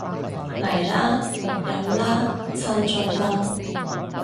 嚟啦，飲啦，趁仲凍